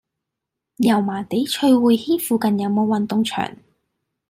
油麻地翠匯軒附近有無運動場？